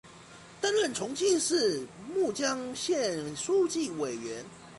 担任重庆市綦江县委书记。